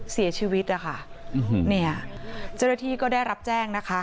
เสียชีวิตล่ะค่ะเนี่ยเจรถีก็ได้รับแจ้งนะคะ